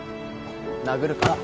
殴るか？